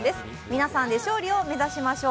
皆さんで勝利を目指しましょう。